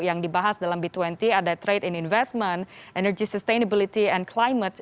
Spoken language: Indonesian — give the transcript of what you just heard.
yang dibahas dalam b dua puluh ada trade and investment energy sustainability and climate